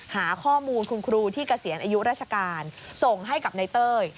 หาข้อมูลคุณครูที่เกษียณอายุราชการส่งให้กับในเต้ย